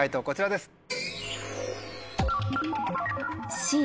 こちらです。